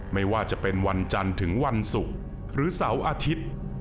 ไม่ว่าจะเป็นวันจันทร์ถึงวันศุกร์หรือเสาร์อาทิตย์